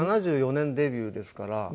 ７４年デビューですから。